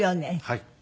はい。